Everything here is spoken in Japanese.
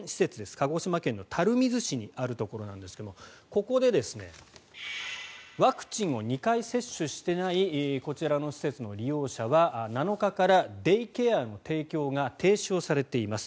鹿児島県垂水市にあるところですがここでワクチンを２回接種していないこちらの施設の利用者は７日からデイケアの提供が停止されています。